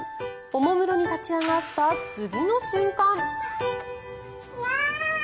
おもむろに立ち上がった次の瞬間。